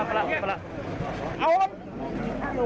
สวัสดีครับทุกคน